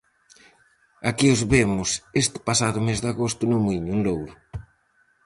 Aquí os vemos este pasado mes de agosto no Muíño, en Louro.